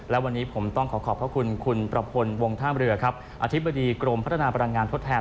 และวันนี้ผมต้องขอขอบพระคุณคุณประพลวงท่ามเรือครับอธิบดีกรมพัฒนาพลังงานทดแทน